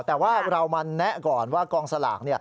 แต่ว่าเรามาแนะก่อนว่ากองสลาก